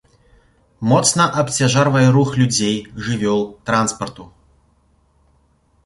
Моцна абцяжарвае рух людзей, жывёл, транспарту.